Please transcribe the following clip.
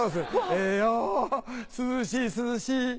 いや涼しい涼しい。